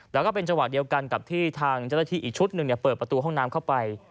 แล้วก็เป็นจังหวะเดียวกันกับที่ทางเจ้าหน้าที่อีกชุดหนึ่งเปิดประตูห้องน้ำเข้าไป